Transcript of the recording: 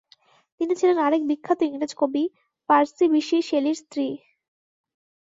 তিনি ছিলেন আরেক বিখ্যাত ইংরেজ কবি পার্সি বিশি শেলীর স্ত্রী।